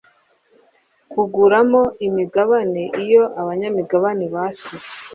kuguramo imigabane iyo abanyamigabane basize